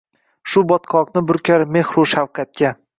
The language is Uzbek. Shu botqoqni burkar mehru shafqatga